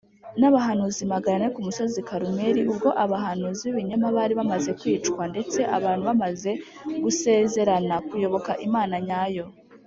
, n’abahanuzi maganane ku musozi Kalumeli, ubwo abahanuzi b’ibinyoma bari bamaze kwicwa, ndetse abantu bamaze gusezerana kuyoboka Imana nyayo